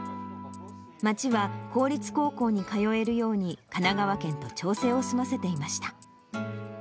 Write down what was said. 町は公立高校に通えるように、神奈川県と調整を済ませていました。